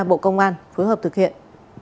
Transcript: bộ công an phối hợp thực hiện